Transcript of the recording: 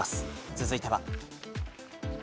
続いては。